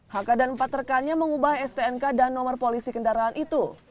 hk dan empat rekannya mengubah stnk dan nomor polisi kendaraan itu